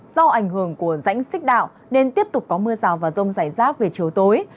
do ảnh hưởng của rãnh xích đạo nên tiếp tục có mưa rào và rông rải rác về chiều tối